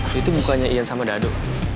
dia tuh bukanya iyan sama dado